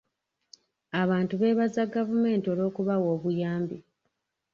Abantu beebaza gavumenti olw'okubawa obuyambi.